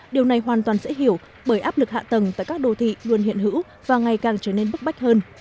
điều này hoàn toàn dễ hiểu bởi áp lực hạ tầng tại các đô thị luôn hiện hữu và ngày càng trở nên bức bách hơn